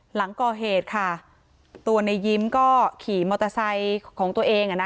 หลังก่อเหตุค่ะตัวนายยิมก็ขี่ของตัวเองอ่ะนะ